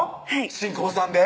新婚さんで？